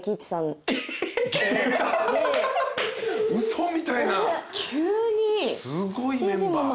嘘みたいなすごいメンバー。